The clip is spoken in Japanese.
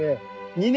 ２年！